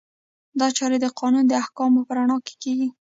دا چارې د قانون د احکامو په رڼا کې کیږي.